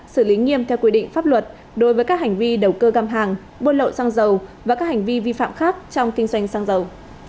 xử lý nghiêm theo quy định pháp luật đối với các hành vi đầu cơ găm hàng buôn lậu xăng dầu và các hành vi vi phạm khác trong kinh doanh xăng dầu